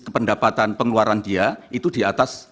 pendapatan pengeluaran dia itu di atas